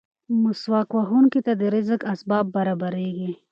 مسواک وهونکي ته د رزق اسباب برابرېږي.